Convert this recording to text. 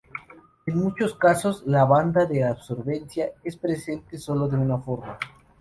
En muchos casos la banda de absorbancia es presente sólo de una forma.